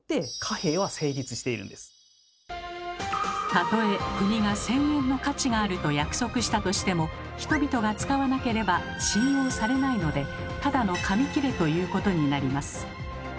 たとえ国が１，０００円の価値があると約束したとしても人々が使わなければ信用されないのでただの紙きれということになります。